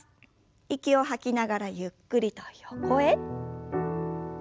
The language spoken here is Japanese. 息を吐きながらゆっくりと横へ。